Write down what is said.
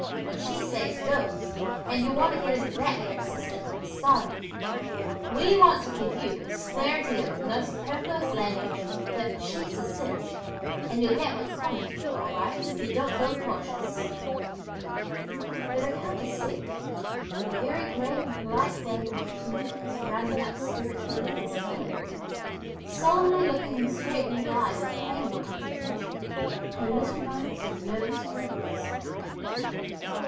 What she says goes and y'u want to get that into yere system from the start off. We want to give y'u a square deal with no superfluous language, but She's the cinch and y'll get what's coming to y'u, all right, if y'u don't go cautious." The recounter said that the very grave and polite way the kitten took this "rounding up spiritually" was killing, solemnly looking him straight in the eye with painful concentration, her little nose in nervous crinkles.